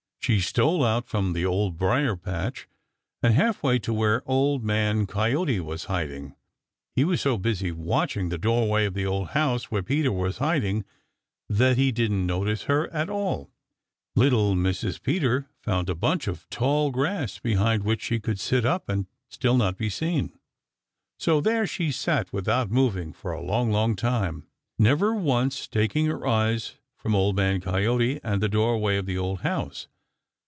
She stole out from the dear Old Briar patch and halfway to where Old Man Coyote was hiding. He was so busy watching the doorway of the old house where Peter was hiding that he didn't notice her at all. Little Mrs. Peter found a bunch of tall grass behind which she could sit up and still not be seen. So there she sat without moving for a long, long time, never once taking her eyes from Old Man Coyote and the doorway of the old house.